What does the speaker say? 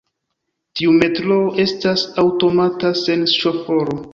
Tiu metroo estas aŭtomata, sen ŝoforo.